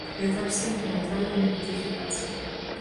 Гэта абсалютна няправільная кваліфікацыя.